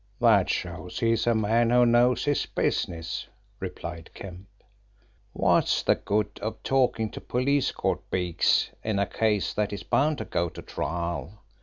"That shows he is a man who knows his business," replied Kemp. "What's the good of talking to police court beaks in a case that is bound to go to trial?